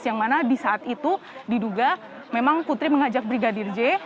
yang mana di saat itu diduga memang putri mengajak brigadir j